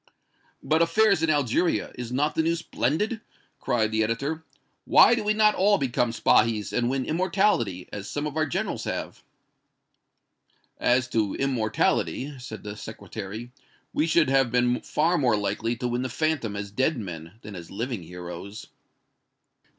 "But affairs in Algeria is not the news splendid!" cried the editor. "Why did we not all become Spahis and win immortality, as some of our generals have?" "As to immortality," said the Secretary, "we should have been far more likely to win the phantom as dead men than as living heroes."